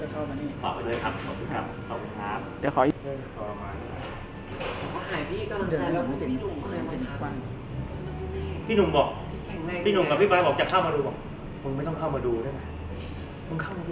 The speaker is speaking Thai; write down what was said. ข่าวยกขาขึ้นวางอย่างนี้วางอย่างนี้